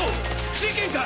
事件か！？